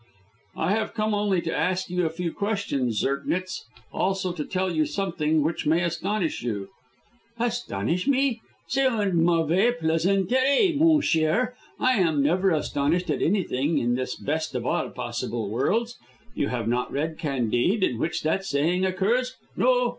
"I have come only to ask you a few questions, Zirknitz; also to tell you something which may astonish you." "Astonish me! C'est une mauvaise plaisanterie, mon cher. I am never astonished at anything in this best of all possible worlds. You have not read Candide, in which that saying occurs? No.